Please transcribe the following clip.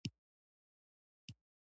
پکتیا د افغانستان د جغرافیې بېلګه ده.